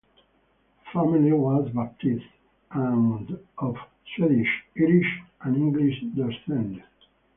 Her family was Baptist and of Swedish, Irish, and English descent.